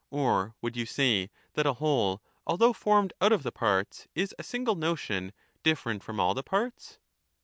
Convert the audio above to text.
Or would you say that a whole, although formed out of the parts, is a single notion different from all the parts?